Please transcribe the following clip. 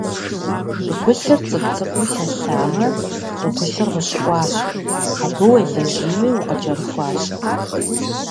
ЩӀыгулъыр цӀыкӀу-цӀыкӀуу лъалъэмэ, щӀыгулъыр гъущыӀуащ, абы уелэжьынуи укъыкӀэрыхуащ.